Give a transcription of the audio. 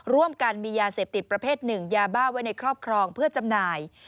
ร่วมกันมียาเสพติดประเภทหนึ่งยาบ้าไว้ในครอบครองเพื่อจำหน่าย